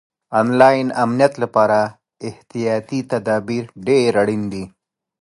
آنلاین امنیت لپاره احتیاطي تدابیر ډېر اړین دي.